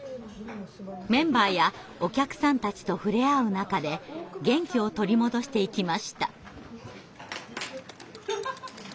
メンバーやお客さんたちと触れ合う中で元気を取り戻していきました。